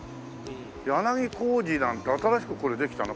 柳小路なんて新しくこれできたの？